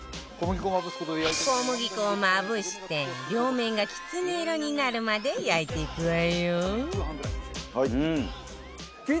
小麦粉をまぶして両面がキツネ色になるまで焼いていくわよ